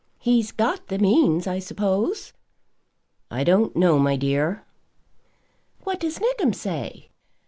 He's got the means, I suppose?" "I don't know, my dear." "What does Nickem say?"